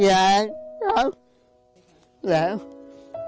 ทำงานชื่อนางหยาดฝนภูมิสุขอายุ๕๔ปี